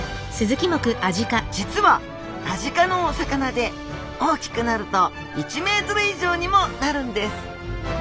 実はアジ科のお魚で大きくなると１ｍ以上にもなるんです。